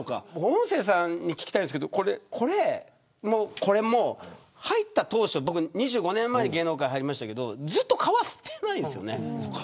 音声さんに聞きたいですがこれも、これも僕、２５年前芸能界入りましたけどずっと変わってないですよね。